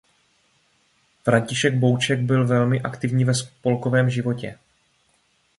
František Bouček byl velmi aktivní ve spolkovém životě.